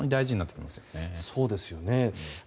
そうですよね。